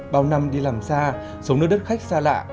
bao năm đi làm xa sống nơi đất khách xa lạ